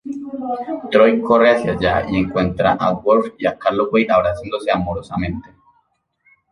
Troi corre hacia allá y encuentra a Worf y a Calloway abrazándose amorosamente.